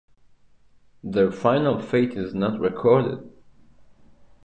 Their final fate is not recorded.